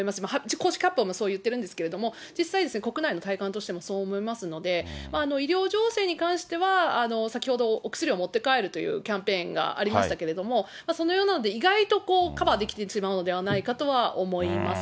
公式発表も言ってるんですけど、実際、国内の体感としてもそう思いますので、医療情勢に関しては先ほど、お薬を持って帰るというキャンペーンがありましたけれども、そのようなので、意外とカバーできてしまうのではないかと思います。